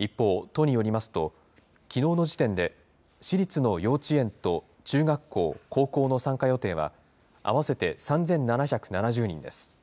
一方、都によりますと、きのうの時点で、私立の幼稚園と中学校、高校の参加予定は、合わせて３７７０人です。